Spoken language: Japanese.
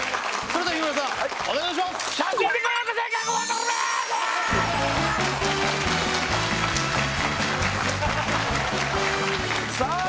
それでは日村さんお願いしますさあ